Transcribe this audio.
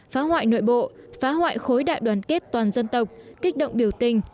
phá hoại nội bộ phá hoại khối đại đoàn kết toàn dân tộc kích động biểu tình